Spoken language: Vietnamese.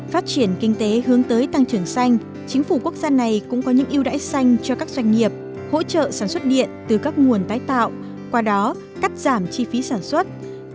phát triển kinh tế hướng tới tăng trưởng xanh chính phủ quốc gia này cũng có những ưu đãi xanh cho các doanh nghiệp hỗ trợ sản xuất điện từ các nguồn tái tạo qua đó cắt giảm chi phí sản xuất